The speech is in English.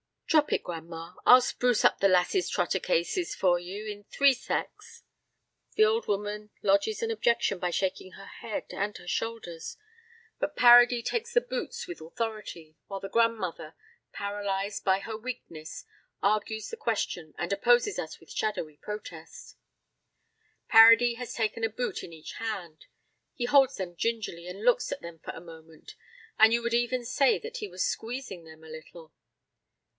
"Drop it, gran'ma; I'll spruce up your lass's trotter cases for you in three secs." The old woman lodges an objection by shaking her head and her shoulders. But Paradis takes the boots with authority, while the grandmother, paralyzed by her weakness, argues the question and opposes us with shadowy protest. Paradis has taken a boot in each hand; he holds them gingerly and looks at them for a moment, and you would even say that he was squeezing them a little.